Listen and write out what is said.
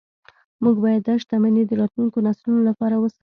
موږ باید دا شتمني د راتلونکو نسلونو لپاره وساتو